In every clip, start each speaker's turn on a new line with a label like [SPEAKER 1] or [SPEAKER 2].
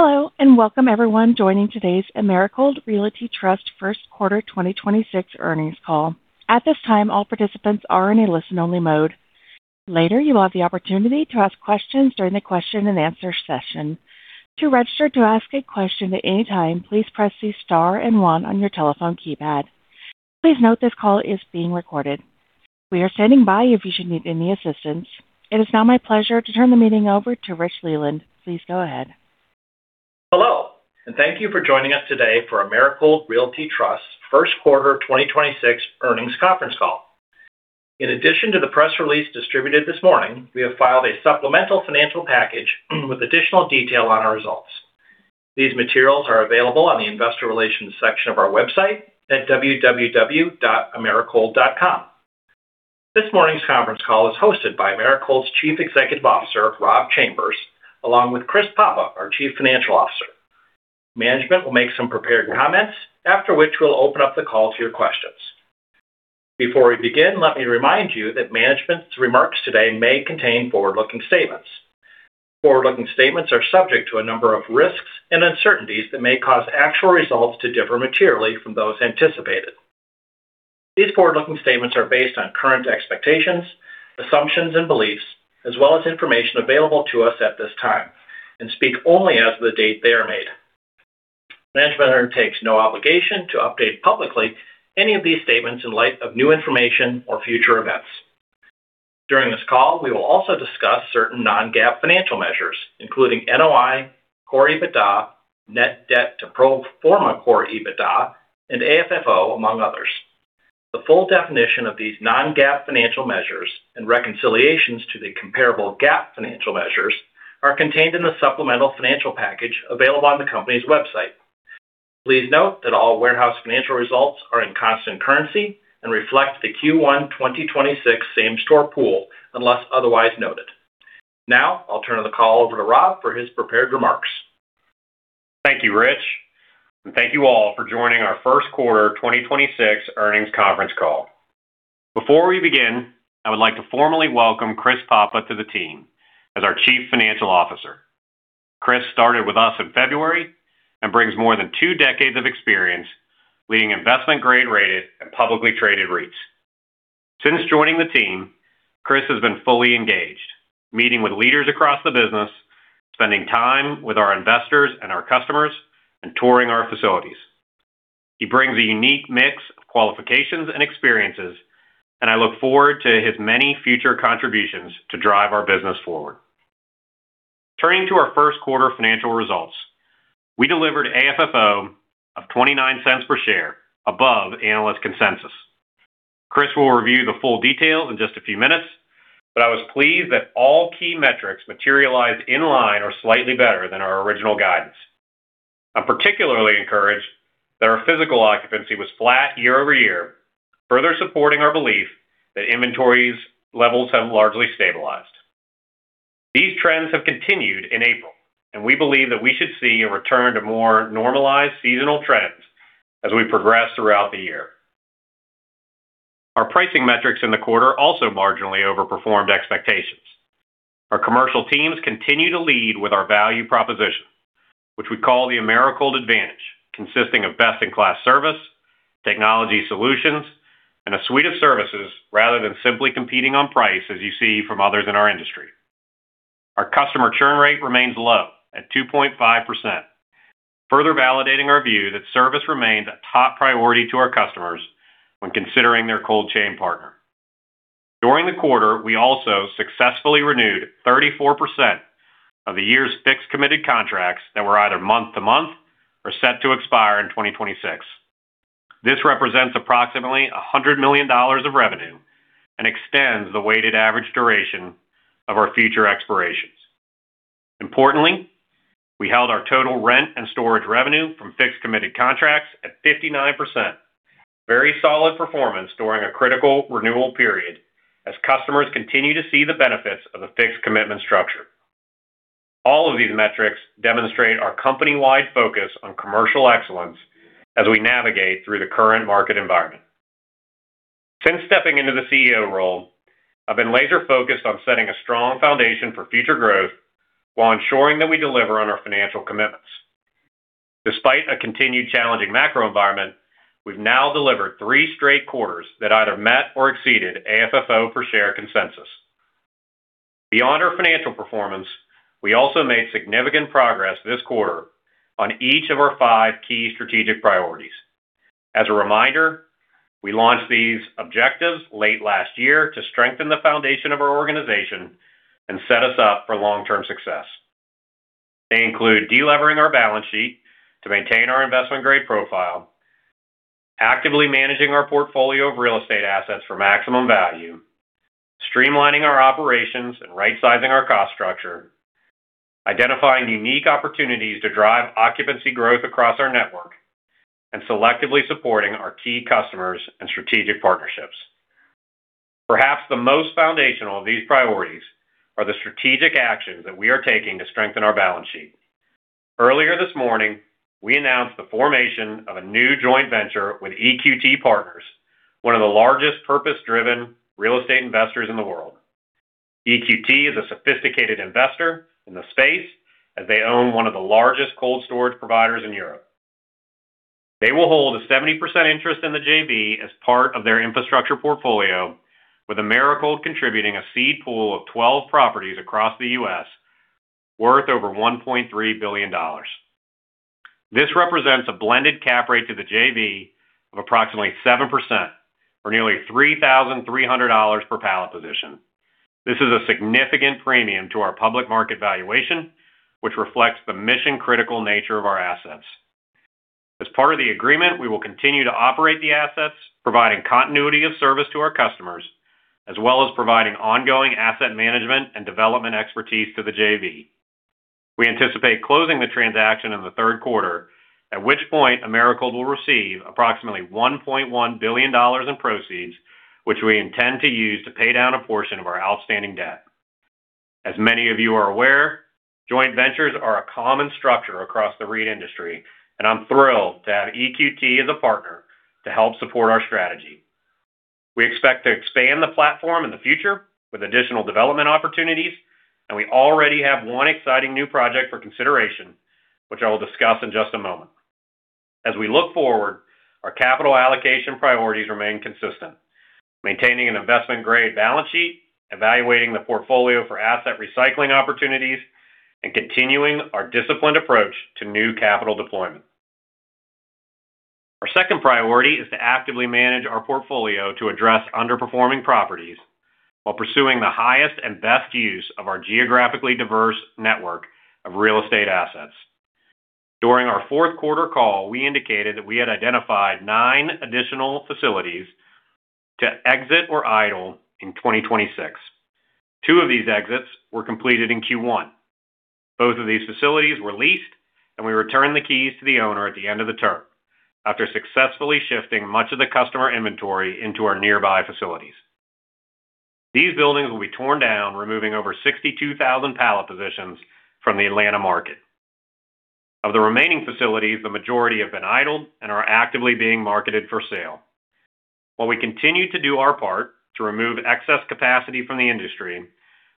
[SPEAKER 1] Hello, welcome everyone joining today's Americold Realty Trust First Quarter 2026 Earnings Call. At this time, all participants are in a listen-only mode. Later, you will have the opportunity to ask questions during the question and answer session. Please note this call is being recorded. We are standing by if you should need any assistance. It is now my pleasure to turn the meeting over to Rich Leland. Please go ahead.
[SPEAKER 2] Hello, and thank you for joining us today for Americold Realty Trust first quarter 2026 earnings conference call. In addition to the press release distributed this morning, we have filed a supplemental financial package with additional detail on our results. These materials are available on the investor relations section of our website at www.americold.com. This morning's conference call is hosted by Americold's Chief Executive Officer, Rob Chambers, along with Chris Papa, our Chief Financial Officer. Management will make some prepared comments after which we'll open up the call to your questions. Before we begin, let me remind you that management's remarks today may contain forward-looking statements. Forward-looking statements are subject to a number of risks and uncertainties that may cause actual results to differ materially from those anticipated. These forward-looking statements are based on current expectations, assumptions, and beliefs, as well as information available to us at this time, and speak only as of the date they are made. Management undertakes no obligation to update publicly any of these statements in light of new information or future events. During this call, we will also discuss certain non-GAAP financial measures, including NOI, Core EBITDA, net debt to pro forma core EBITDA, and AFFO, among others. The full definition of these non-GAAP financial measures and reconciliations to the comparable GAAP financial measures are contained in the supplemental financial package available on the company's website. Please note that all warehouse financial results are in constant currency and reflect the Q1 2026 same-store pool, unless otherwise noted. Now, I'll turn the call over to Rob for his prepared remarks.
[SPEAKER 3] Thank you, Rich, and thank you all for joining our first quarter 2026 earnings conference call. Before we begin, I would like to formally welcome Chris Papa to the team as our Chief Financial Officer. Chris started with us in February and brings more than two decades of experience leading investment grade rated and publicly traded REITs. Since joining the team, Chris has been fully engaged, meeting with leaders across the business, spending time with our investors and our customers, and touring our facilities. He brings a unique mix of qualifications and experiences, and I look forward to his many future contributions to drive our business forward. Turning to our first quarter financial results, we delivered AFFO of $0.29 per share above analyst consensus. Chris will review the full details in just a few minutes, but I was pleased that all key metrics materialized in line or slightly better than our original guidance. I'm particularly encouraged that our physical occupancy was flat year-over-year, further supporting our belief that inventories levels have largely stabilized. These trends have continued in April. We believe that we should see a return to more normalized seasonal trends as we progress throughout the year. Our pricing metrics in the quarter also marginally overperformed expectations. Our commercial teams continue to lead with our value proposition, which we call the Americold Advantage, consisting of best-in-class service, technology solutions, and a suite of services rather than simply competing on price as you see from others in our industry. Our customer churn rate remains low at 2.5%, further validating our view that service remains a top priority to our customers when considering their cold chain partner. During the quarter, we also successfully renewed 34% of the year's fixed committed contracts that were either month to month or set to expire in 2026. This represents approximately $100 million of revenue and extends the weighted average duration of our future expirations. Importantly, we held our total rent and storage revenue from fixed committed contracts at 59%. Very solid performance during a critical renewal period as customers continue to see the benefits of a fixed commitment structure. All of these metrics demonstrate our company-wide focus on commercial excellence as we navigate through the current market environment. Since stepping into the CEO role, I've been laser-focused on setting a strong foundation for future growth while ensuring that we deliver on our financial commitments. Despite a continued challenging macro environment, we've now delivered three straight quarters that either met or exceeded AFFO per share consensus. Beyond our financial performance, we also made significant progress this quarter on each of our five key strategic priorities. As a reminder, we launched these objectives late last year to strengthen the foundation of our organization and set us up for long-term success. They include de-levering our balance sheet to maintain our investment grade profile, actively managing our portfolio of real estate assets for maximum value, streamlining our operations and right-sizing our cost structure, identifying unique opportunities to drive occupancy growth across our network, and selectively supporting our key customers and strategic partnerships. Perhaps the most foundational of these priorities are the strategic actions that we are taking to strengthen our balance sheet. Earlier this morning, we announced the formation of a new joint venture with EQT Partners, one of the largest purpose-driven real estate investors in the world. EQT is a sophisticated investor in the space as they own one of the largest cold storage providers in Europe. They will hold a 70% interest in the JV as part of their infrastructure portfolio, with Americold contributing a seed pool of 12 properties across the U.S. worth over $1.3 billion. This represents a blended cap rate to the JV of approximately 7% or nearly $3,300 per pallet position. This is a significant premium to our public market valuation, which reflects the mission-critical nature of our assets. As part of the agreement, we will continue to operate the assets, providing continuity of service to our customers, as well as providing ongoing asset management and development expertise to the JV. We anticipate closing the transaction in the third quarter, at which point Americold will receive approximately $1.1 billion in proceeds, which we intend to use to pay down a portion of our outstanding debt. As many of you are aware, joint ventures are a common structure across the REIT industry, and I'm thrilled to have EQT as a partner to help support our strategy. We expect to expand the platform in the future with additional development opportunities, and we already have one exciting new project for consideration, which I will discuss in just a moment. As we look forward, our capital allocation priorities remain consistent: maintaining an investment-grade balance sheet, evaluating the portfolio for asset recycling opportunities, and continuing our disciplined approach to new capital deployment. Our second priority is to actively manage our portfolio to address underperforming properties while pursuing the highest and best use of our geographically diverse network of real estate assets. During our fourth quarter call, we indicated that we had identified nine additional facilities to exit or idle in 2026. Two of these exits were completed in Q1. Both of these facilities were leased, and we returned the keys to the owner at the end of the term after successfully shifting much of the customer inventory into our nearby facilities. These buildings will be torn down, removing over 62,000 pallet positions from the Atlanta market. Of the remaining facilities, the majority have been idled and are actively being marketed for sale. While we continue to do our part to remove excess capacity from the industry,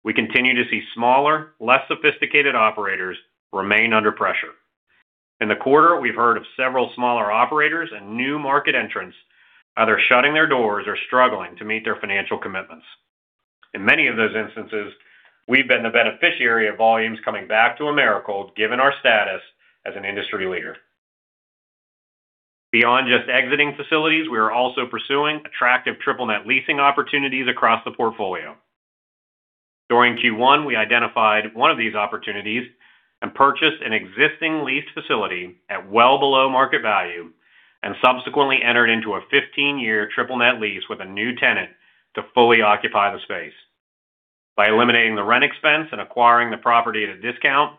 [SPEAKER 3] we continue to see smaller, less sophisticated operators remain under pressure. In the quarter, we've heard of several smaller operators and new market entrants either shutting their doors or struggling to meet their financial commitments. In many of those instances, we've been the beneficiary of volumes coming back to Americold, given our status as an industry leader. Beyond just exiting facilities, we are also pursuing attractive triple net leasing opportunities across the portfolio. During Q1, we identified one of these opportunities and purchased an existing leased facility at well below market value and subsequently entered into a 15-year triple net lease with a new tenant to fully occupy the space. By eliminating the rent expense and acquiring the property at a discount,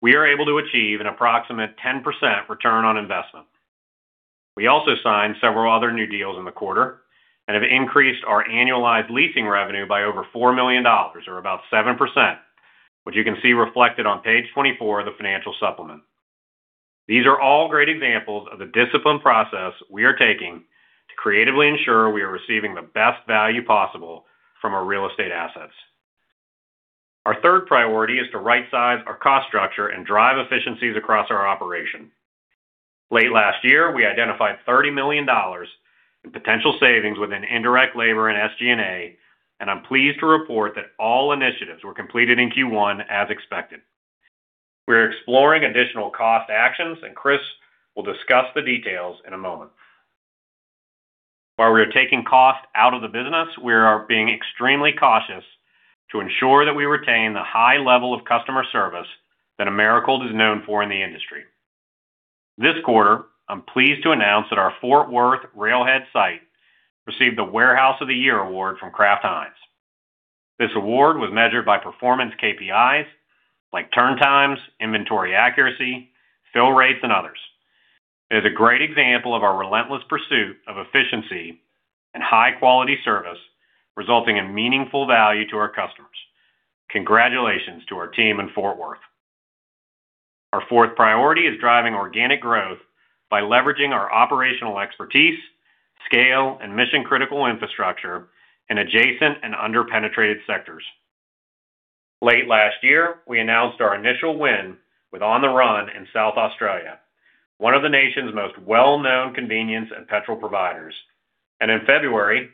[SPEAKER 3] we are able to achieve an approximate 10% return on investment. We also signed several other new deals in the quarter and have increased our annualized leasing revenue by over $4 million, or about 7%, which you can see reflected on page 24 of the financial supplement. These are all great examples of the disciplined process we are taking to creatively ensure we are receiving the best value possible from our real estate assets. Our third priority is to right-size our cost structure and drive efficiencies across our operation. Late last year, we identified $30 million in potential savings within indirect labor and SG&A, and I'm pleased to report that all initiatives were completed in Q1 as expected. We are exploring additional cost actions, and Chris will discuss the details in a moment. While we are taking cost out of the business, we are being extremely cautious to ensure that we retain the high level of customer service that Americold is known for in the industry. This quarter, I'm pleased to announce that our Fort Worth railhead site received the Warehouse of the Year Award from Kraft Heinz. This Award was measured by performance KPIs like turn times, inventory accuracy, fill rates, and others. It is a great example of our relentless pursuit of efficiency and high-quality service resulting in meaningful value to our customers. Congratulations to our team in Fort Worth. Our fourth priority is driving organic growth by leveraging our operational expertise, scale, and mission-critical infrastructure in adjacent and under-penetrated sectors. Late last year, we announced our initial win with On the Run in South Australia, one of the nation's most well-known convenience and petrol providers. In February,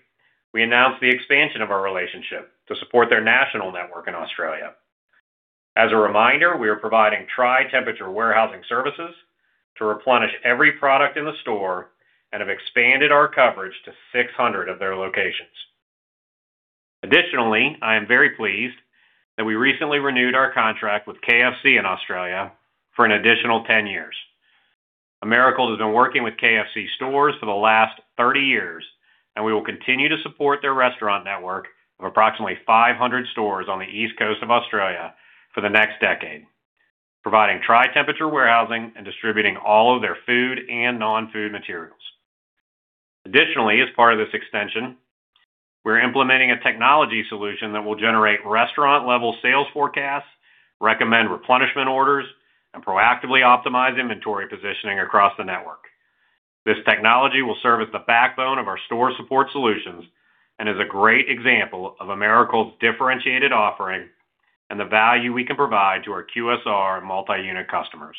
[SPEAKER 3] we announced the expansion of our relationship to support their national network in Australia. As a reminder, we are providing tri-temperature warehousing services to replenish every product in the store and have expanded our coverage to 600 of their locations. Additionally, I am very pleased that we recently renewed our contract with KFC in Australia for an additional 10 years. Americold has been working with KFC stores for the last 30 years, and we will continue to support their restaurant network of approximately 500 stores on the East Coast of Australia for the next decade, providing tri-temperature warehousing and distributing all of their food and non-food materials. As part of this extension, we're implementing a technology solution that will generate restaurant-level sales forecasts, recommend replenishment orders, and proactively optimize inventory positioning across the network. This technology will serve as the backbone of our store support solutions and is a great example of Americold's differentiated offering and the value we can provide to our QSR multi-unit customers.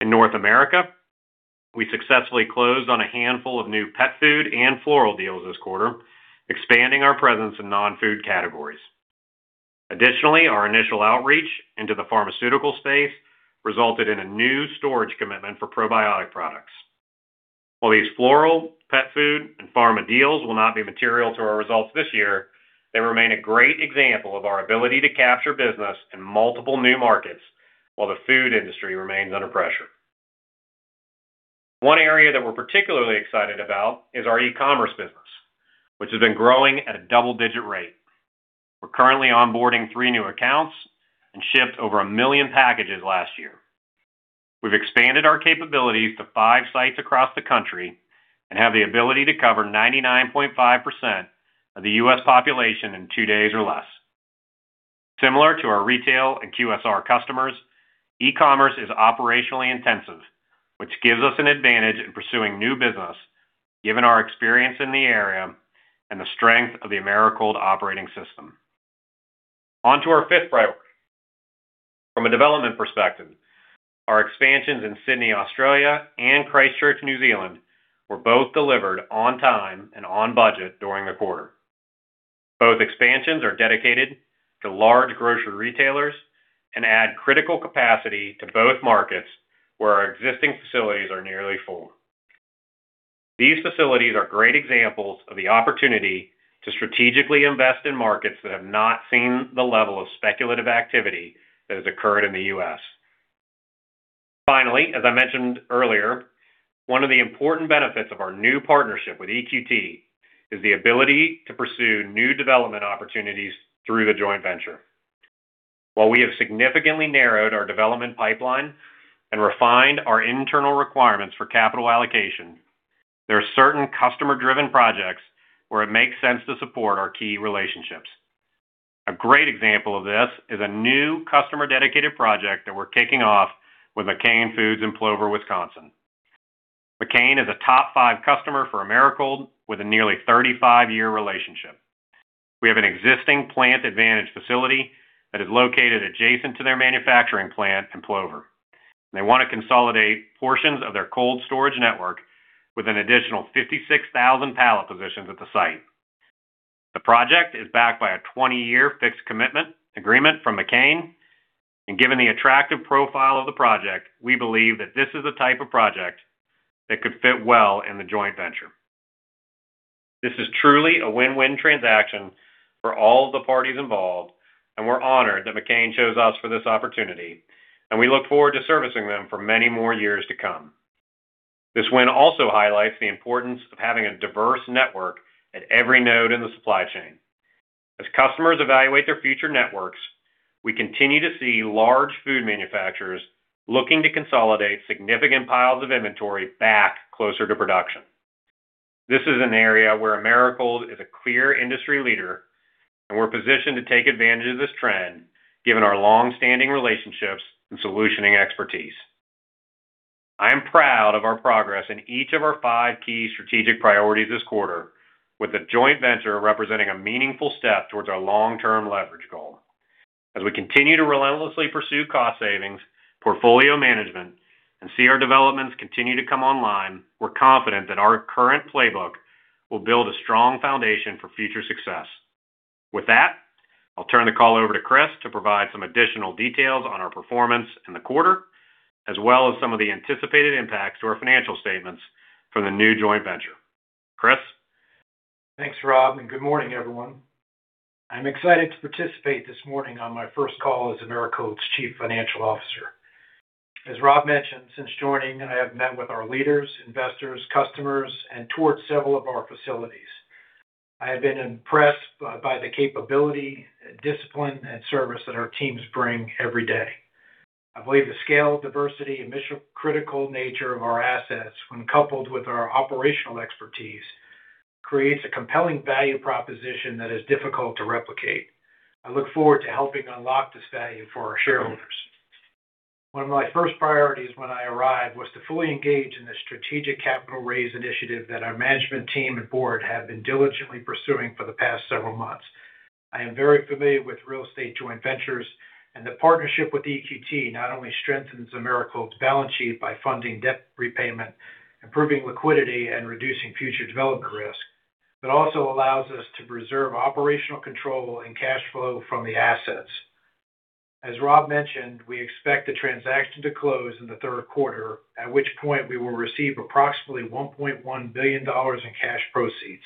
[SPEAKER 3] In North America, we successfully closed on a handful of new pet food and floral deals this quarter, expanding our presence in non-food categories. Our initial outreach into the pharmaceutical space resulted in a new storage commitment for probiotic products. These floral, pet food, and pharma deals will not be material to our results this year, they remain a great example of our ability to capture business in multiple new markets while the food industry remains under pressure. One area that we're particularly excited about is our e-commerce business, which has been growing at a double-digit rate. We're currently onboarding three new accounts and shipped over 1 million packages last year. We've expanded our capabilities to five sites across the country and have the ability to cover 99.5% of the U.S. population in two days or less. Similar to our retail and QSR customers, e-commerce is operationally intensive, which gives us an advantage in pursuing new business given our experience in the area and the strength of the Americold operating system. On to our fifth priority. From a development perspective, our expansions in Sydney, Australia, and Christchurch, New Zealand, were both delivered on time and on budget during the quarter. Both expansions are dedicated to large grocery retailers and add critical capacity to both markets where our existing facilities are nearly full. These facilities are great examples of the opportunity to strategically invest in markets that have not seen the level of speculative activity that has occurred in the U.S. Finally, as I mentioned earlier, one of the important benefits of our new partnership with EQT is the ability to pursue new development opportunities through the joint venture. While we have significantly narrowed our development pipeline and refined our internal requirements for capital allocation, there are certain customer-driven projects where it makes sense to support our key relationships. A great example of this is a new customer-dedicated project that we're kicking off with McCain Foods in Plover, Wisconsin. McCain is a top five customer for Americold with a nearly 35-year relationship. We have an existing plant-advantaged facility that is located adjacent to their manufacturing plant in Plover. They want to consolidate portions of their cold storage network with an additional 56,000 pallet positions at the site. The project is backed by a 20-year fixed commitment agreement from McCain, and given the attractive profile of the project, we believe that this is the type of project that could fit well in the joint venture. This is truly a win-win transaction for all the parties involved, and we're honored that McCain chose us for this opportunity, and we look forward to servicing them for many more years to come. This win also highlights the importance of having a diverse network at every node in the supply chain. As customers evaluate their future networks, we continue to see large food manufacturers looking to consolidate significant piles of inventory back closer to production. This is an area where Americold is a clear industry leader, and we're positioned to take advantage of this trend given our long-standing relationships and solutioning expertise. I am proud of our progress in each of our five key strategic priorities this quarter, with the joint venture representing a meaningful step towards our long-term leverage goal. As we continue to relentlessly pursue cost savings, portfolio management, and see our developments continue to come online, we're confident that our current playbook will build a strong foundation for future success. With that, I'll turn the call over to Chris to provide some additional details on our performance in the quarter, as well as some of the anticipated impacts to our financial statements from the new joint venture. Chris?
[SPEAKER 4] Thanks, Rob, and good morning, everyone. I'm excited to participate this morning on my first call as Americold's Chief Financial Officer. As Rob mentioned, since joining, I have met with our leaders, investors, customers, and toured several of our facilities. I have been impressed by the capability, discipline, and service that our teams bring every day. I believe the scale, diversity, and mission-critical nature of our assets when coupled with our operational expertise creates a compelling value proposition that is difficult to replicate. I look forward to helping unlock this value for our shareholders. One of my first priorities when I arrived was to fully engage in the strategic capital raise initiative that our management team and board have been diligently pursuing for the past several months. I am very familiar with real estate joint ventures and the partnership with EQT not only strengthens Americold's balance sheet by funding debt repayment, improving liquidity, and reducing future development risk, but also allows us to preserve operational control and cash flow from the assets. As Rob mentioned, we expect the transaction to close in the third quarter, at which point we will receive approximately $1.1 billion in cash proceeds.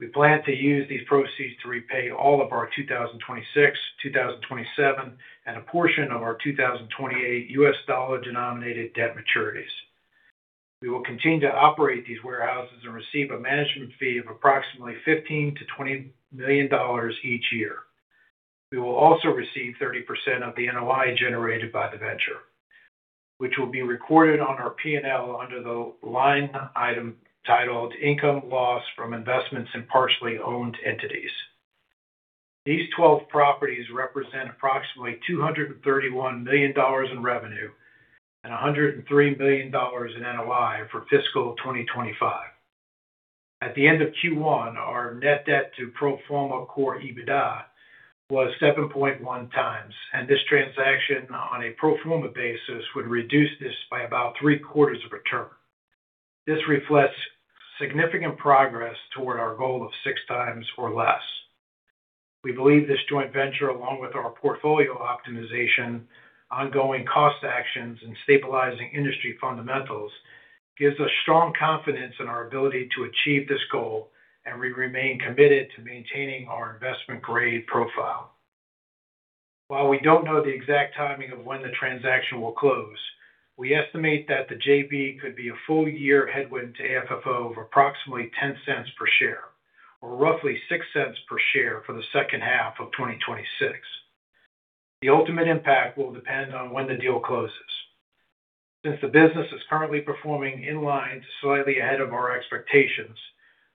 [SPEAKER 4] We plan to use these proceeds to repay all of our 2026, 2027, and a portion of our 2028 U.S. dollar-denominated debt maturities. We will continue to operate these warehouses and receive a management fee of approximately $15 million-$20 million each year. We will also receive 30% of the NOI generated by the venture, which will be recorded on our P&L under the line item titled Income Loss from Investments in Partially Owned Entities. These 12 properties represent approximately $231 million in revenue and $103 million in NOI for fiscal 2025. At the end of Q1, our net debt to pro forma core EBITDA was 7.1x, this transaction on a pro forma basis would reduce this by about three-quarters of a term. This reflects significant progress toward our goal of 6x or less. We believe this joint venture, along with our portfolio optimization, ongoing cost actions, and stabilizing industry fundamentals, gives us strong confidence in our ability to achieve this goal, we remain committed to maintaining our investment grade profile. While we don't know the exact timing of when the transaction will close, we estimate that the JV could be a full year headwind to AFFO of approximately $0.10 per share, or roughly $0.06 per share for the second half of 2026. The ultimate impact will depend on when the deal closes. Since the business is currently performing in line to slightly ahead of our expectations,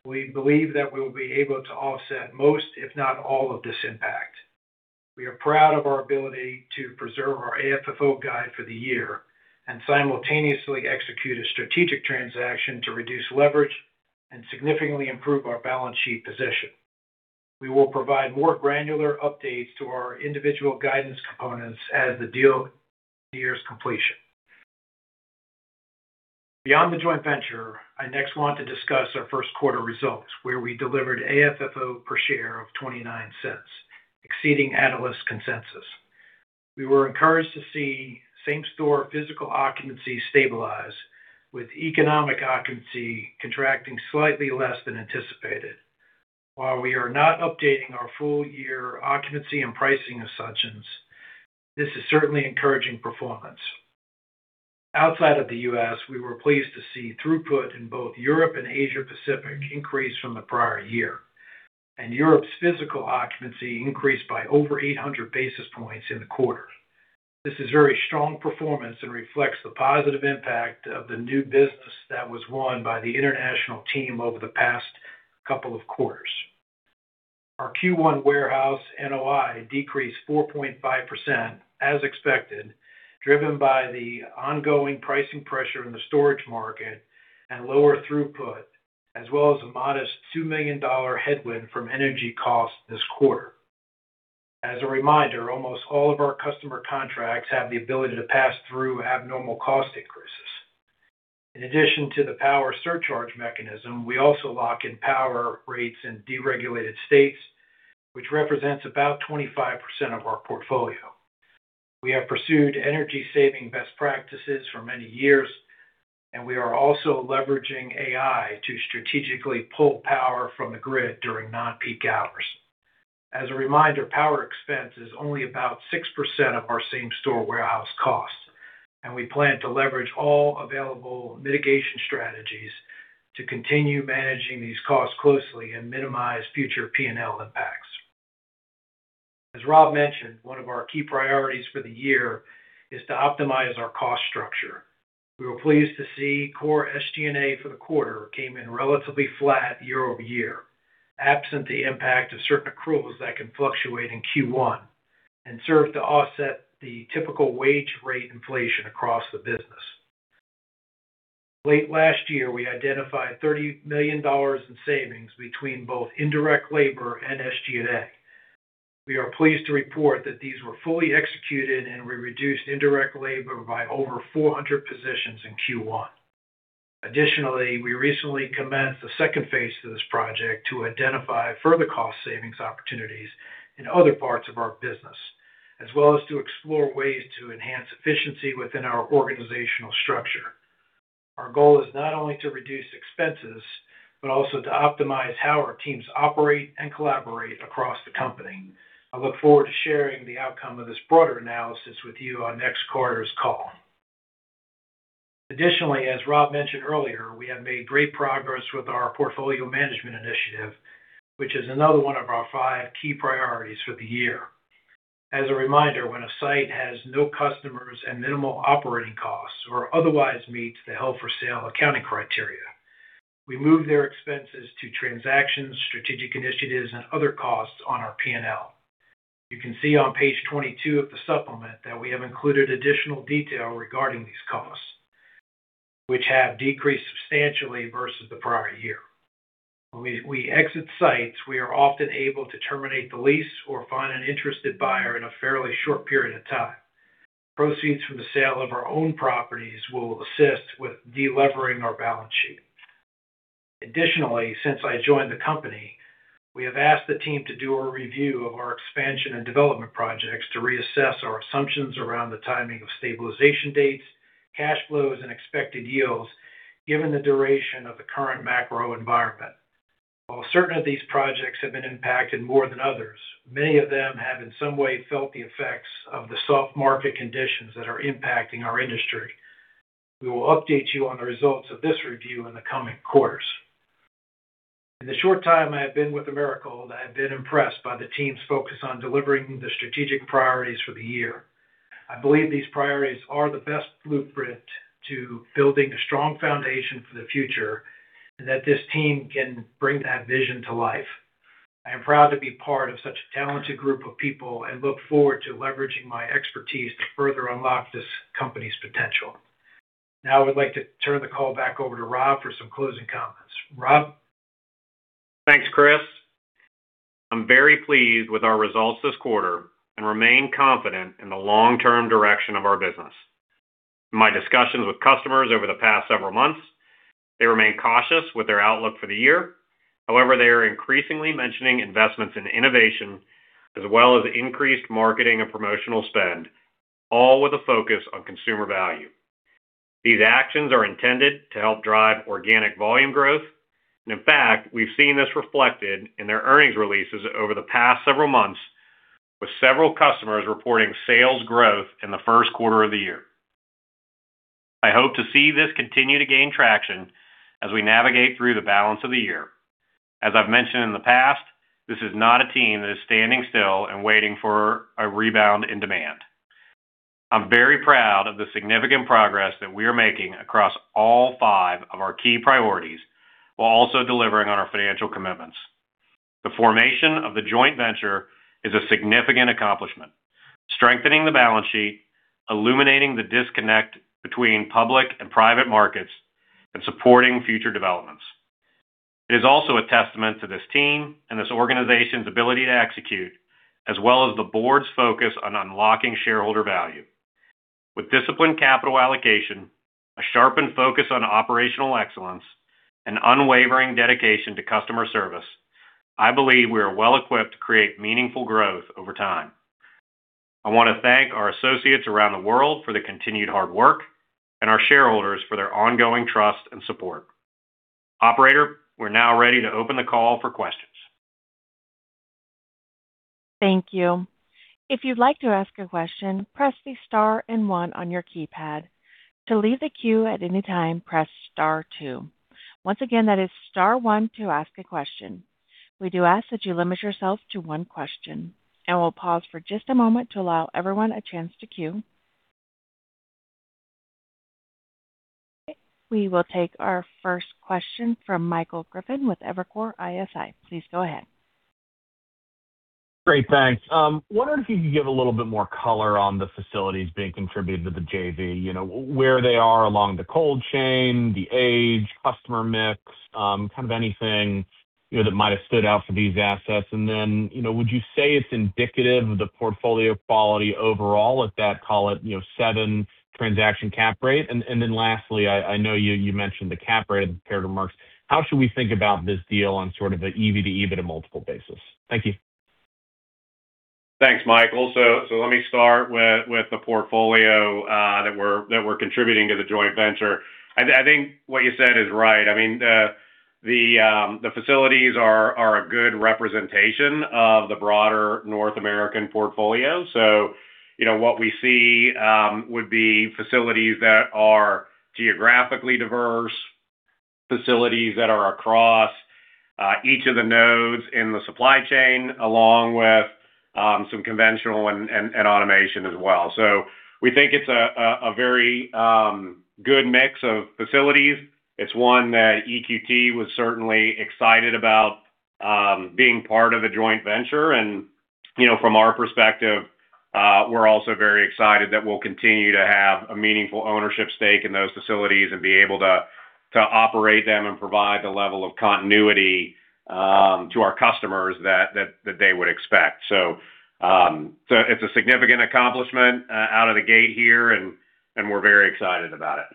[SPEAKER 4] we believe that we will be able to offset most, if not all, of this impact. We are proud of our ability to preserve our AFFO guide for the year and simultaneously execute a strategic transaction to reduce leverage and significantly improve our balance sheet position. We will provide more granular updates to our individual guidance components as the deal nears completion. Beyond the joint venture, I next want to discuss our first quarter results, where we delivered AFFO per share of $0.29, exceeding analyst consensus. We were encouraged to see same-store physical occupancy stabilize, with economic occupancy contracting slightly less than anticipated. While we are not updating our full-year occupancy and pricing assumptions, this is certainly encouraging performance. Outside of the U.S., we were pleased to see throughput in both Europe and Asia Pacific increase from the prior year, and Europe's physical occupancy increased by over 800 basis points in the quarter. This is very strong performance and reflects the positive impact of the new business that was won by the international team over the past couple of quarters. Our Q1 warehouse NOI decreased 4.5% as expected, driven by the ongoing pricing pressure in the storage market and lower throughput, as well as a modest $2 million headwind from energy costs this quarter. As a reminder, almost all of our customer contracts have the ability to pass through abnormal cost increases. In addition to the power surcharge mechanism, we also lock in power rates in deregulated states, which represents about 25% of our portfolio. We have pursued energy saving best practices for many years, and we are also leveraging AI to strategically pull power from the grid during non-peak hours. As a reminder, power expense is only about 6% of our same-store warehouse costs, and we plan to leverage all available mitigation strategies to continue managing these costs closely and minimize future P&L impacts. As Rob mentioned, one of our key priorities for the year is to optimize our cost structure. We were pleased to see core SG&A for the quarter came in relatively flat year-over-year, absent the impact of certain accruals that can fluctuate in Q1 and serve to offset the typical wage rate inflation across the business. Late last year, we identified $30 million in savings between both indirect labor and SG&A. We are pleased to report that these were fully executed, and we reduced indirect labor by over 400 positions in Q1. Additionally, we recently commenced the second phase of this project to identify further cost savings opportunities in other parts of our business, as well as to explore ways to enhance efficiency within our organizational structure. Our goal is not only to reduce expenses, but also to optimize how our teams operate and collaborate across the company. I look forward to sharing the outcome of this broader analysis with you on next quarter's call. Additionally, as Rob mentioned earlier, we have made great progress with our portfolio management initiative, which is another one of our five key priorities for the year. As a reminder, when a site has no customers and minimal operating costs or otherwise meets the held for sale accounting criteria, we move their expenses to transactions, strategic initiatives, and other costs on our P&L. You can see on page 22 of the supplement that we have included additional detail regarding these costs, which have decreased substantially versus the prior year. When we exit sites, we are often able to terminate the lease or find an interested buyer in a fairly short period of time. Proceeds from the sale of our own properties will assist with de-levering our balance sheet. Additionally, since I joined the company, we have asked the team to do a review of our expansion and development projects to reassess our assumptions around the timing of stabilization dates, cash flows, and expected yields given the duration of the current macro environment. While certain of these projects have been impacted more than others, many of them have in some way felt the effects of the soft market conditions that are impacting our industry. We will update you on the results of this review in the coming quarters. In the short time I have been with Americold, I have been impressed by the team's focus on delivering the strategic priorities for the year. I believe these priorities are the best blueprint to building a strong foundation for the future and that this team can bring that vision to life. I am proud to be part of such a talented group of people and look forward to leveraging my expertise to further unlock this company's potential. Now, I would like to turn the call back over to Rob for some closing comments. Rob?
[SPEAKER 3] Thanks, Chris. I'm very pleased with our results this quarter and remain confident in the long-term direction of our business. In my discussions with customers over the past several months, they remain cautious with their outlook for the year. However, they are increasingly mentioning investments in innovation as well as increased marketing and promotional spend, all with a focus on consumer value. These actions are intended to help drive organic volume growth. In fact, we've seen this reflected in their earnings releases over the past several months, with several customers reporting sales growth in the first quarter of the year. I hope to see this continue to gain traction as we navigate through the balance of the year. As I've mentioned in the past, this is not a team that is standing still and waiting for a rebound in demand. I'm very proud of the significant progress that we are making across all five of our key priorities while also delivering on our financial commitments. The formation of the joint venture is a significant accomplishment, strengthening the balance sheet, illuminating the disconnect between public and private markets, and supporting future developments. It is also a testament to this team and this organization's ability to execute, as well as the board's focus on unlocking shareholder value. With disciplined capital allocation, a sharpened focus on operational excellence, and unwavering dedication to customer service, I believe we are well equipped to create meaningful growth over time. I wanna thank our associates around the world for their continued hard work and our shareholders for their ongoing trust and support. Operator, we're now ready to open the call for questions.
[SPEAKER 1] Thank you. If you'd like to ask a question, press the star and one on your keypad. To leave the queue at any time, press star two. Once again, that is star one to ask a question. We do ask that you limit yourself to one question, and we'll pause for just a moment to allow everyone a chance to queue. We will take our first question from Michael Griffin with Evercore ISI. Please go ahead.
[SPEAKER 5] Great. Thanks. Wondering if you could give a little bit more color on the facilities being contributed to the JV, you know, where they are along the cold chain, the age, customer mix, kind of anything, you know, that might have stood out for these assets. You know, would you say it's indicative of the portfolio quality overall if that call it, you know, 7% transaction cap rate? Lastly, I know you mentioned the cap rate compared to marks. How should we think about this deal on sort of a EV to EBITDA, but a multiple basis? Thank you.
[SPEAKER 3] Thanks, Michael. Let me start with the portfolio that we're contributing to the joint venture. I think what you said is right. I mean, the facilities are a good representation of the broader North American portfolio. You know, what we see would be facilities that are geographically diverse, facilities that are across each of the nodes in the supply chain, along with some conventional and automation as well. We think it's a very good mix of facilities. It's one that EQT was certainly excited about being part of a joint venture. You know, from our perspective, we're also very excited that we'll continue to have a meaningful ownership stake in those facilities and be able to operate them and provide the level of continuity, to our customers that they would expect. It's a significant accomplishment, out of the gate here and we're very excited about it.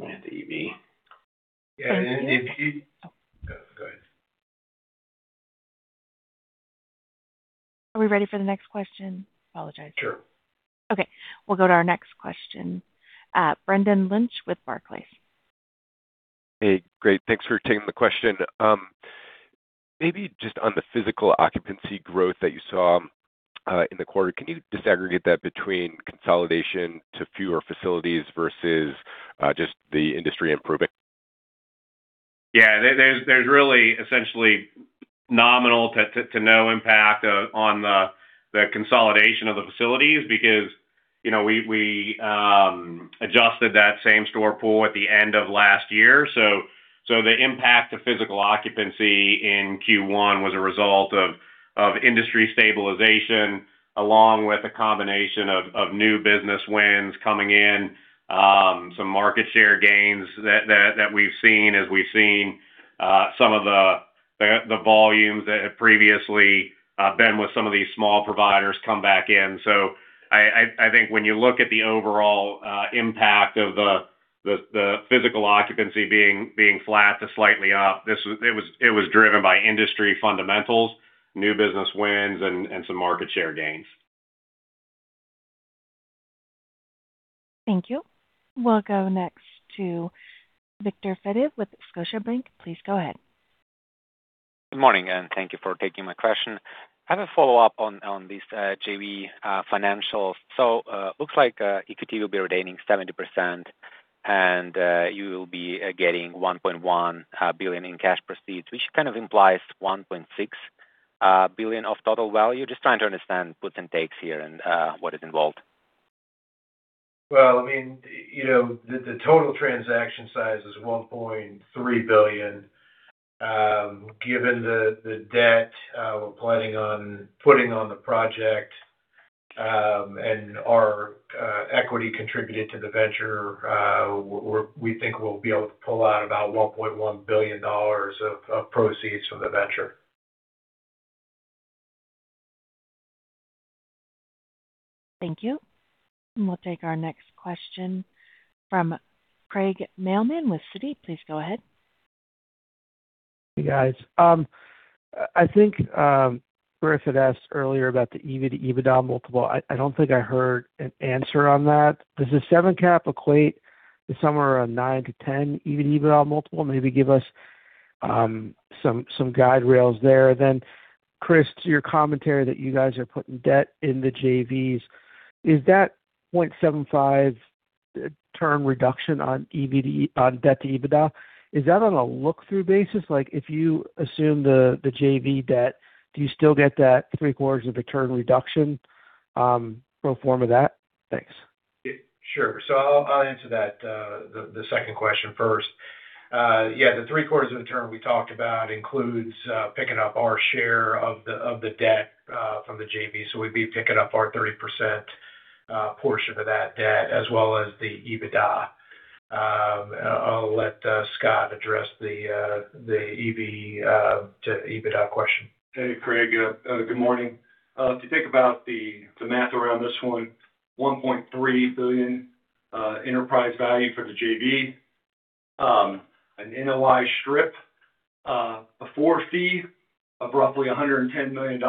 [SPEAKER 5] Thank you.
[SPEAKER 3] Go ahead.
[SPEAKER 1] Are we ready for the next question? Apologize.
[SPEAKER 3] Sure.
[SPEAKER 1] Okay, we'll go to our next question. Brendan Lynch with Barclays.
[SPEAKER 6] Hey, great. Thanks for taking the question. Maybe just on the physical occupancy growth that you saw in the quarter, can you disaggregate that between consolidation to fewer facilities versus just the industry improving?
[SPEAKER 3] Yeah. There's really essentially nominal to no impact on the consolidation of the facilities because, you know, we adjusted that same store pool at the end of last year. The impact to physical occupancy in Q1 was a result of industry stabilization, along with a combination of new business wins coming in, some market share gains that we've seen as we've seen some of the volumes that had previously been with some of these small providers come back in. I think when you look at the overall impact of physical occupancy being flat to slightly up, it was driven by industry fundamentals, new business wins and some market share gains.
[SPEAKER 1] Thank you. We'll go next to Viktor Fediv with Scotiabank. Please go ahead.
[SPEAKER 7] Good morning. Thank you for taking my question. I have a follow-up on this JV financials. Looks like EQT will be retaining 70%. You will be getting $1.1 billion in cash proceeds, which kind of implies $1.6 billion of total value. Just trying to understand puts and takes here and what is involved.
[SPEAKER 4] Well, I mean, you know, the total transaction size is $1.3 billion. Given the debt we're planning on putting on the project, and our equity contributed to the venture, we think we'll be able to pull out about $1.1 billion of proceeds from the venture.
[SPEAKER 1] Thank you. We'll take our next question from Craig Mailman with Citi. Please go ahead.
[SPEAKER 8] Hey, guys. Michael Griffin asked earlier about the EV to EBITDA multiple. I don't think I heard an answer on that. Does the 7% cap equate to somewhere around 9%-10% EV to EBITDA multiple? Maybe give us some guide rails there. Chris, to your commentary that you guys are putting debt in the JVs, is that 0.75x term reduction on debt to EBITDA, is that on a look-through basis? Like, if you assume the JV debt, do you still get that 0.75x of a term reduction, or a form of that? Thanks.
[SPEAKER 4] Sure. I'll answer that, the second question first. Yeah, the three-quarters of a term we talked about includes picking up our share of the debt from the JV. We'd be picking up our 30% portion of that debt as well as the EBITDA. I'll let Scott address the EV to EBITDA question.
[SPEAKER 9] Hey, Craig. Good morning. If you think about the math around this one, $1.3 billion enterprise value for the JV, an NOI strip before fee of roughly $110 million.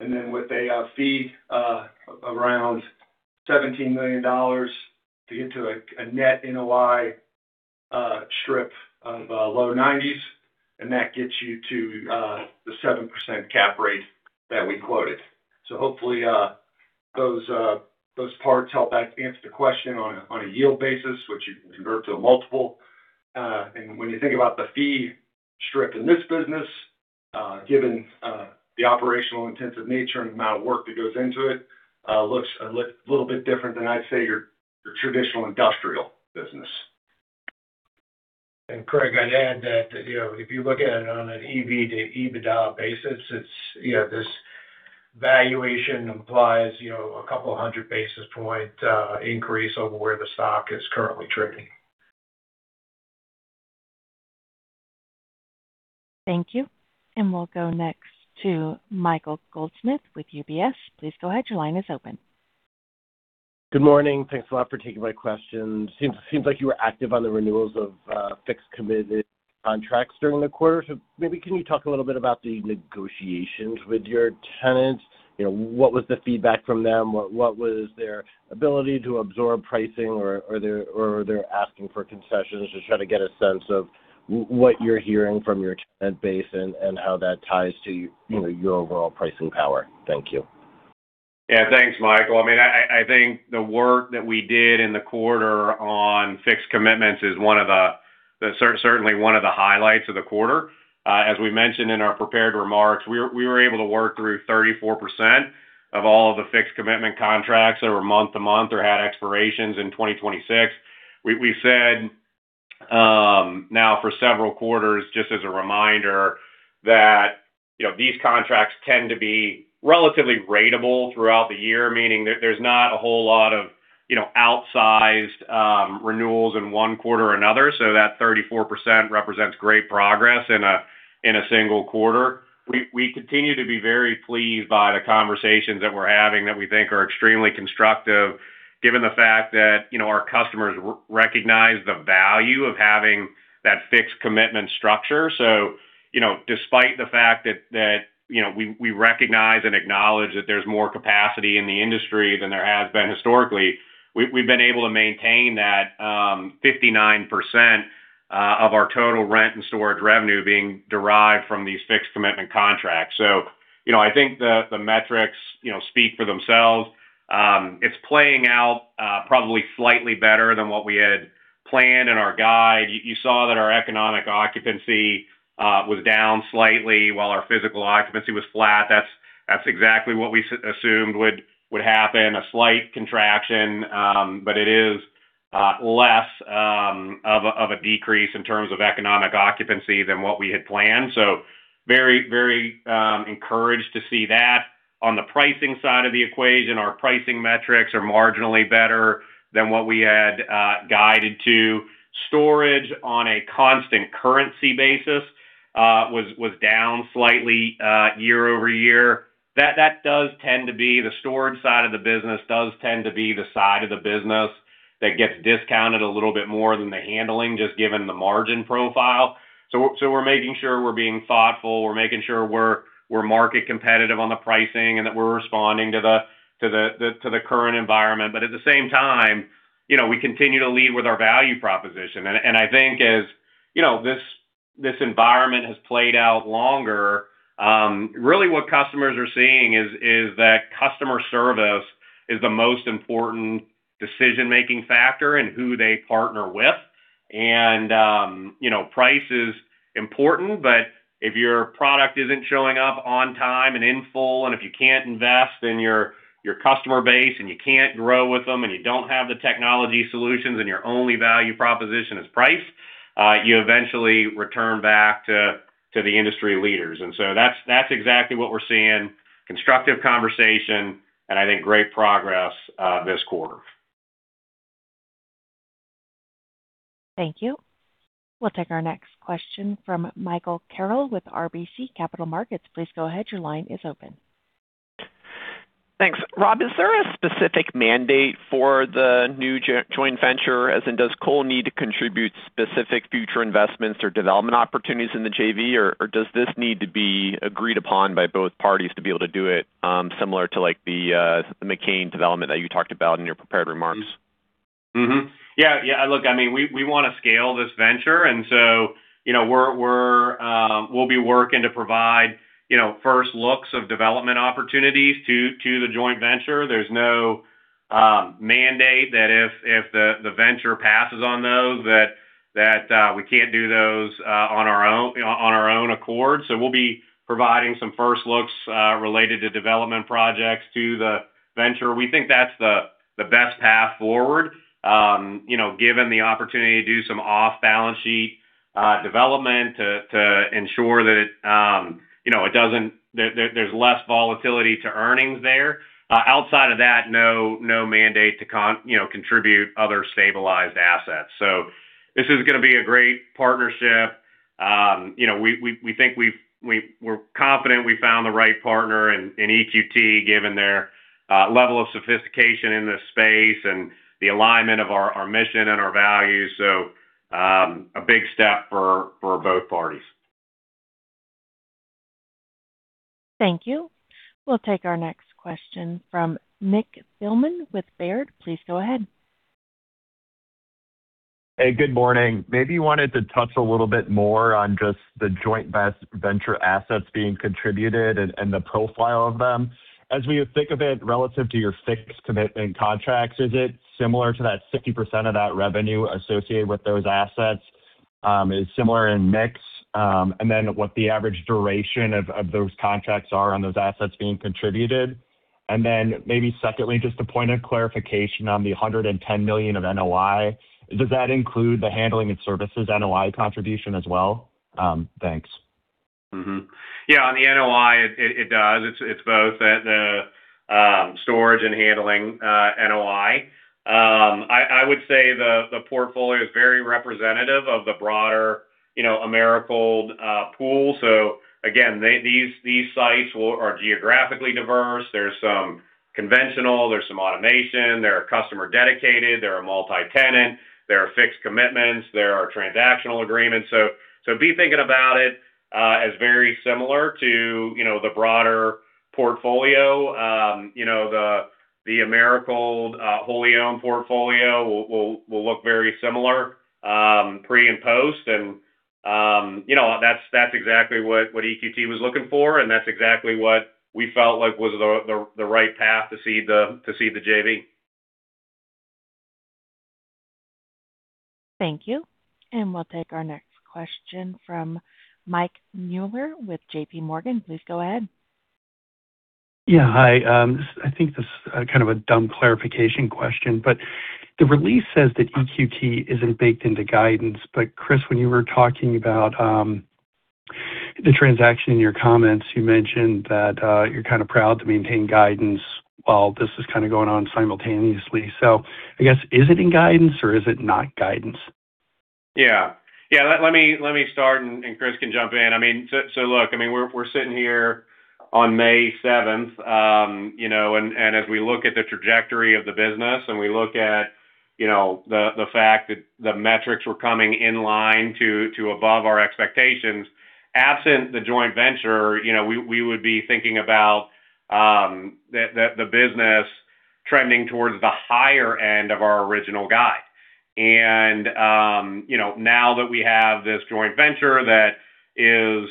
[SPEAKER 9] Then with a fee around $17 million to get to a net NOI strip of low $ 90s million, and that gets you to the 7% cap rate that we quoted. Hopefully, those parts help answer the question on a yield basis, which you can convert to a multiple. When you think about the fee strip in this business, given the operational intensive nature and the amount of work that goes into it, looks a little bit different than I'd say your traditional industrial business.
[SPEAKER 4] Craig, I'd add that, you know, if you look at it on an EV to EBITDA basis, it's, you know, this valuation implies, you know, 200 basis point increase over where the stock is currently trading.
[SPEAKER 1] Thank you. We'll go next to Michael Goldsmith with UBS. Please go ahead. Your line is open.
[SPEAKER 10] Good morning. Thanks a lot for taking my questions. Seems like you were active on the renewals of fixed committed contracts during the quarter. Maybe can you talk a little bit about the negotiations with your tenants? You know, what was the feedback from them? What was their ability to absorb pricing or they're asking for concessions? Just trying to get a sense of what you're hearing from your tenant base and how that ties to, you know, your overall pricing power. Thank you.
[SPEAKER 3] Yeah. Thanks, Michael. I mean, I think the work that we did in the quarter on fixed commitments is one of the certainly one of the highlights of the quarter. As we mentioned in our prepared remarks, we were able to work through 34% of all the fixed commitment contracts that were month to month or had expirations in 2026. We said, now for several quarters, just as a reminder, that, you know, these contracts tend to be relatively ratable throughout the year, meaning there's not a whole lot of, you know, outsized, renewals in one quarter or another. That 34% represents great progress in a single quarter. We continue to be very pleased by the conversations that we're having that we think are extremely constructive given the fact that, you know, our customers re-recognize the value of having that fixed commitment structure. You know, despite the fact that, you know, we recognize and acknowledge that there's more capacity in the industry than there has been historically, we've been able to maintain that 59% of our total rent and storage revenue being derived from these fixed commitment contracts. You know, I think the metrics, you know, speak for themselves. It's playing out probably slightly better than what we had planned in our guide. You saw that our economic occupancy was down slightly while our physical occupancy was flat. That's exactly what we assumed would happen, a slight contraction. It is less of a decrease in terms of economic occupancy than what we had planned. Very encouraged to see that. On the pricing side of the equation, our pricing metrics are marginally better than what we had guided to. Storage on a constant currency basis was down slightly year-over-year. That does tend to be the storage side of the business does tend to be the side of the business that gets discounted a little bit more than the handling, just given the margin profile. We're making sure we're being thoughtful. We're making sure we're market competitive on the pricing and that we're responding to the current environment. At the same time, you know, we continue to lead with our value proposition. I think as, you know, this environment has played out longer. Really what customers are seeing is that customer service is the most important decision-making factor in who they partner with. You know, price is important, but if your product isn't showing up on time and in full, and if you can't invest in your customer base, and you can't grow with them, and you don't have the technology solutions, and your only value proposition is price, you eventually return back to the industry leaders. That's exactly what we're seeing. Constructive conversation, and I think great progress this quarter.
[SPEAKER 1] Thank you. We'll take our next question from Michael Carroll with RBC Capital Markets. Please go ahead. Your line is open.
[SPEAKER 11] Thanks. Rob, is there a specific mandate for the new joint venture? As in, does Americold need to contribute specific future investments or development opportunities in the JV, or does this need to be agreed upon by both parties to be able to do it, similar to, like, the McCain development that you talked about in your prepared remarks?
[SPEAKER 3] Yeah, yeah. Look, I mean, we wanna scale this venture, you know, we'll be working to provide, you know, first looks of development opportunities to the joint venture. There's no mandate that if the venture passes on those that we can't do those on our own accord. We'll be providing some first looks related to development projects to the venture. We think that's the best path forward. You know, given the opportunity to do some off-balance sheet development to ensure that there's less volatility to earnings there. Outside of that, no mandate to contribute other stabilized assets. This is gonna be a great partnership. You know, we're confident we found the right partner in EQT, given their level of sophistication in this space and the alignment of our mission and our values. A big step for both parties.
[SPEAKER 1] Thank you. We'll take our next question from Nick Thillman with Baird. Please go ahead.
[SPEAKER 12] Hey, good morning. You wanted to touch a little bit more on just the joint venture assets being contributed and the profile of them. As we think of it relative to your fixed commitment contracts, is it similar to that 60% of that revenue associated with those assets is similar in mix? What the average duration of those contracts are on those assets being contributed. Maybe secondly, just a point of clarification on the $110 million of NOI. Does that include the handling and services NOI contribution as well? Thanks.
[SPEAKER 3] Yeah. On the NOI, it does. It's both the storage and handling NOI. I would say the portfolio is very representative of the broader, you know, Americold pool. Again, these sites are geographically diverse. There's some conventional, there's some automation, there are customer dedicated, there are multi-tenant, there are fixed commitments, there are transactional agreements. Be thinking about it as very similar to, you know, the broader portfolio. You know, the Americold wholly owned portfolio will look very similar pre and post. You know, that's exactly what EQT was looking for, and that's exactly what we felt like was the right path to seed the JV.
[SPEAKER 1] Thank you. We'll take our next question from Mike Mueller with JPMorgan. Please go ahead.
[SPEAKER 13] Yeah. Hi. I think this kind of a dumb clarification question, but the release says that EQT isn't baked into guidance. Chris, when you were talking about the transaction in your comments, you mentioned that you're kind of proud to maintain guidance while this is kind of going on simultaneously. I guess, is it in guidance or is it not guidance?
[SPEAKER 3] Yeah. Yeah. Let me start. Chris can jump in. I mean, look, I mean, we're sitting here on May 7th, you know, as we look at the trajectory of the business and we look at, you know, the fact that the metrics were coming in line to above our expectations. Absent the joint venture, you know, we would be thinking about the business trending towards the higher end of our original guide. Now that we have this joint venture that is,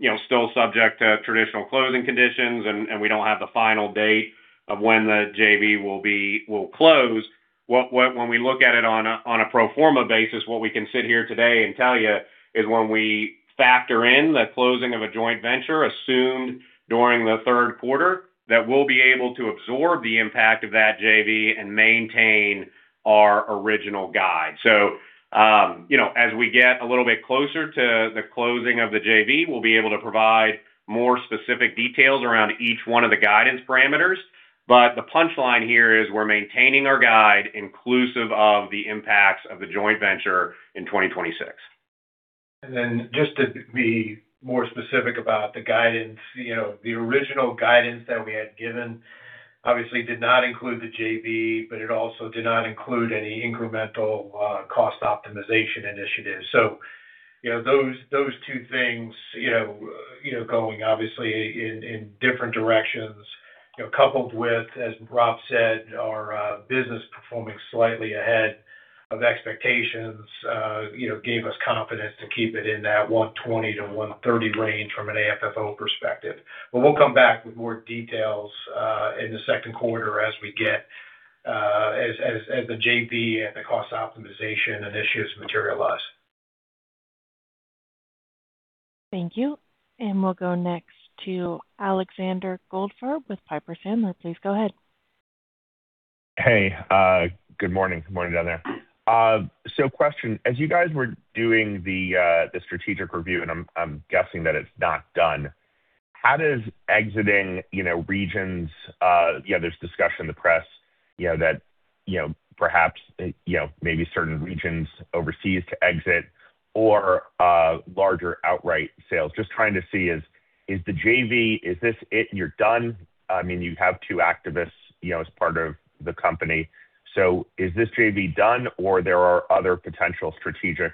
[SPEAKER 3] you know, still subject to traditional closing conditions and we don't have the final date of when the JV will close. When we look at it on a pro forma basis, what we can sit here today and tell you is when we factor in the closing of a joint venture assumed during the third quarter, that we'll be able to absorb the impact of that JV and maintain our original guide. You know, as we get a little bit closer to the closing of the JV, we'll be able to provide more specific details around each one of the guidance parameters. The punchline here is we're maintaining our guide inclusive of the impacts of the joint venture in 2026.
[SPEAKER 4] Just to be more specific about the guidance. The original guidance that we had given obviously did not include the JV, but it also did not include any incremental cost optimization initiatives. Those two things, going obviously in different directions. Coupled with, as Rob said, our business performing slightly ahead of expectations, gave us confidence to keep it in that $1.20-$1.30 range from an AFFO perspective. We'll come back with more details in the second quarter as we get as the JV and the cost optimization initiatives materialize.
[SPEAKER 1] Thank you. We'll go next to Alexander Goldfarb with Piper Sandler. Please go ahead.
[SPEAKER 14] Hey. Good morning. Good morning down there. Question: as you guys were doing the strategic review, and I'm guessing that it's not done, how does exiting, you know, regions, you know, there's discussion in the press, you know, that, you know, perhaps, you know, maybe certain regions overseas to exit or larger outright sales? Just trying to see, is the JV, is this it and you're done? I mean, you have two activists, you know, as part of the company. Is this JV done or there are other potential strategic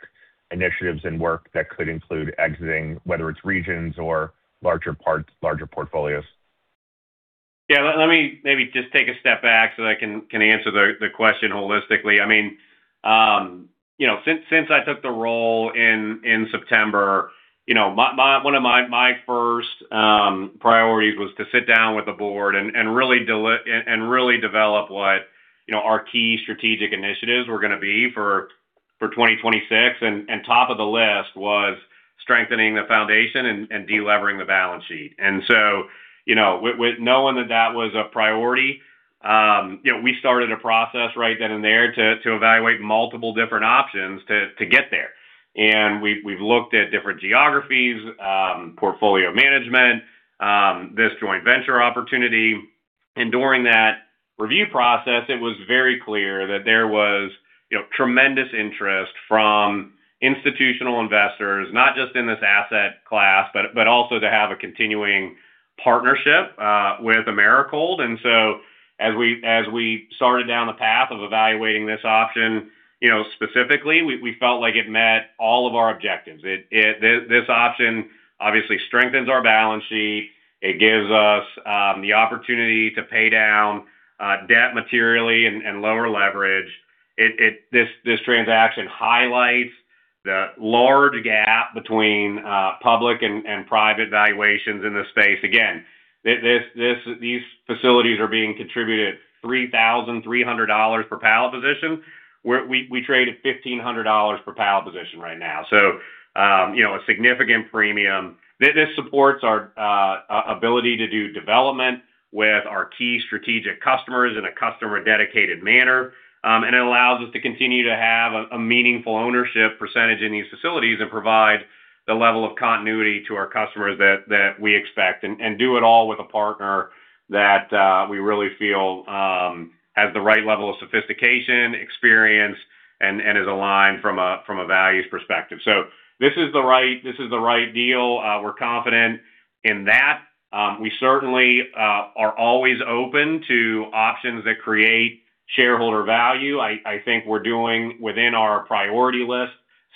[SPEAKER 14] initiatives in work that could include exiting, whether it's regions or larger parts, larger portfolios?
[SPEAKER 3] Yeah. Let me maybe just take a step back so that I can answer the question holistically. I mean, you know, since I took the role in September, you know, my one of my first priorities was to sit down with the board and really develop what you know, our key strategic initiatives were gonna be for 2026. Top of the list was strengthening the foundation and delevering the balance sheet. You know, with knowing that that was a priority, you know, we started a process right then and there to evaluate multiple different options to get there. We've looked at different geographies, portfolio management, this joint venture opportunity. During that review process, it was very clear that there was, you know, tremendous interest from institutional investors, not just in this asset class, but also to have a continuing partnership with Americold. As we started down the path of evaluating this option, you know, specifically, we felt like it met all of our objectives. This option obviously strengthens our balance sheet. It gives us the opportunity to pay down debt materially and lower leverage. This transaction highlights the large gap between public and private valuations in this space. Again, these facilities are being contributed $3,300 per pallet position, where we trade at $1,500 per pallet position right now. So, you know, a significant premium. This supports our ability to do development with our key strategic customers in a customer dedicated manner. It allows us to continue to have a meaningful ownership percentage in these facilities and provide the level of continuity to our customers that we expect, and do it all with a partner that we really feel has the right level of sophistication, experience, and is aligned from a values perspective. This is the right deal. We're confident in that. We certainly are always open to options that create shareholder value. I think we're doing within our priority list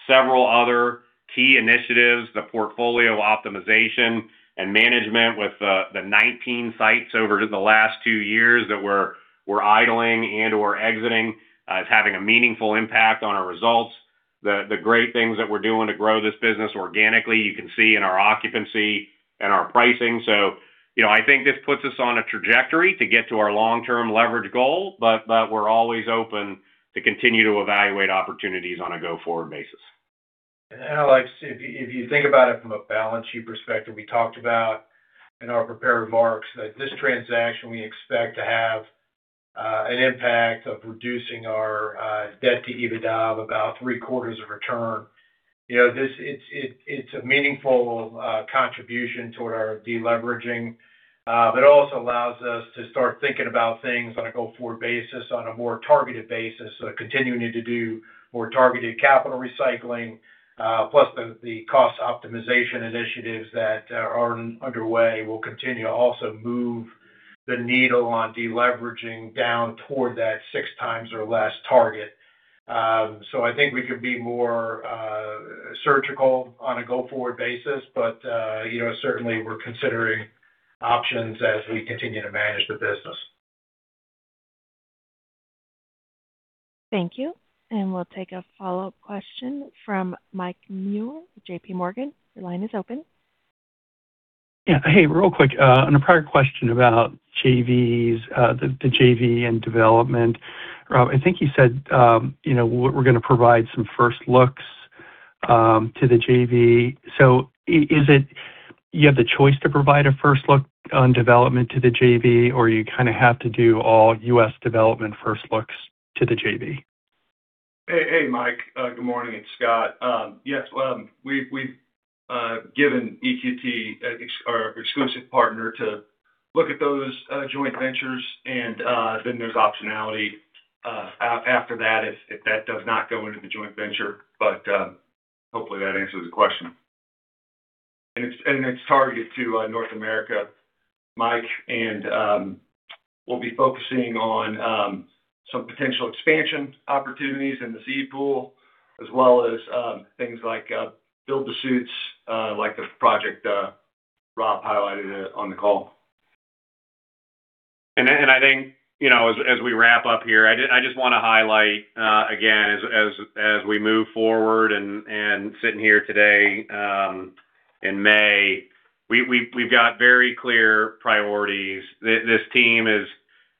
[SPEAKER 3] several other key initiatives, the portfolio optimization and management with the 19 sites over the last two years that we're idling and/or exiting is having a meaningful impact on our results. The great things that we're doing to grow this business organically, you can see in our occupancy and our pricing. You know, I think this puts us on a trajectory to get to our long-term leverage goal, but we're always open to continue to evaluate opportunities on a go-forward basis.
[SPEAKER 4] Alex, if you think about it from a balance sheet perspective, we talked about in our prepared remarks that this transaction, we expect to have an impact of reducing our debt to EBITDA of about three quarters of return. You know, this it's, it's a meaningful contribution toward our deleveraging. It also allows us to start thinking about things on a go-forward basis on a more targeted basis. Continuing to do more targeted capital recycling, plus the cost optimization initiatives that are underway will continue to also move the needle on deleveraging down toward that 6x or less target. I think we can be more surgical on a go-forward basis. You know, certainly we're considering options as we continue to manage the business.
[SPEAKER 1] Thank you. We'll take a follow-up question from Mike Mueller, JPMorgan. Your line is open.
[SPEAKER 13] Yeah. Hey, real quick, on a prior question about JVs, the JV and development. Rob, I think you said, you know, we're gonna provide some first looks to the JV. Is it you have the choice to provide a first look on development to the JV, or you kind of have to do all U.S. development first looks to the JV?
[SPEAKER 9] Hey, hey, Mike. Good morning. It's Scott. Yes, we've given EQT our exclusive partner to look at those joint ventures and then there's optionality after that if that does not go into the joint venture. Hopefully, that answers the question. It's targeted to North America, Mike. We'll be focusing on some potential expansion opportunities in the seed pool as well as things like build to suits, like the project Rob highlighted on the call.
[SPEAKER 3] I think, you know, as we wrap up here, I just wanna highlight again, as we move forward and sitting here today, in May, we've got very clear priorities. This team is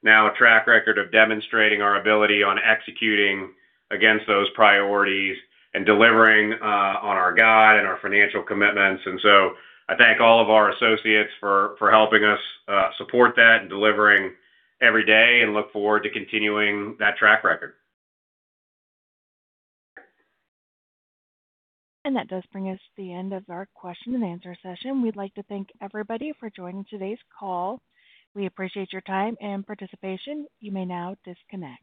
[SPEAKER 3] now a track record of demonstrating our ability on executing against those priorities and delivering on our guide and our financial commitments. I thank all of our associates for helping us support that and delivering every day and look forward to continuing that track record.
[SPEAKER 1] That does bring us to the end of our question and answer session. We'd like to thank everybody for joining today's call. We appreciate your time and participation. You may now disconnect.